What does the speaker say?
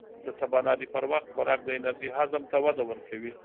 د سباناري پر وخت خوراک د انرژۍ هضم ته وده ورکوي.